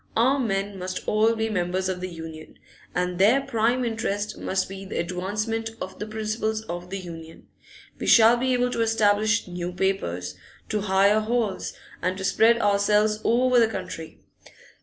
Our men must all be members of the Union, and their prime interest must be the advancement of the principles of the Union. We shall be able to establish new papers, to hire halls, and to spread ourselves over the country.